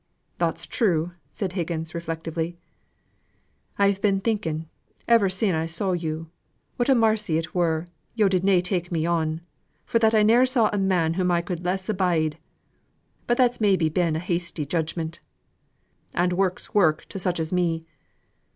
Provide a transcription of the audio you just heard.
"That's true," said Higgins, reflectively. "I've been thinking ever sin' I saw you, what a marcy it were yo' did na take me on, for that I ne'er saw a man whom I could less abide. But that's maybe been a hasty judgment; and work's work to such as me.